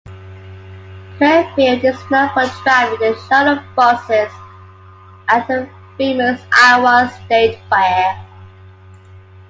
Clearfield is known for driving the shuttle buses at the famous Iowa State Fair.